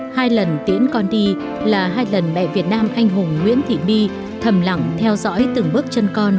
hai lần tiễn con đi là hai lần mẹ việt nam anh hùng nguyễn thị bi thầm lặng theo dõi từng bước chân con